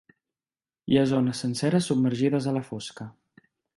Hi ha zones senceres submergides a la fosca.